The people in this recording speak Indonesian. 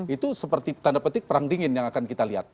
itu seperti tanda petik perang dingin yang akan kita lihat